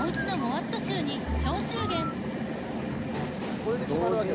これで決まるわけだ。